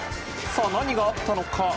何があったのか。